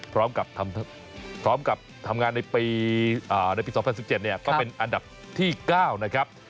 พร้อมกับพร้อมกับทำงานในปี๒๐๑๗ก็เป็นอันดับที่๙นะครับ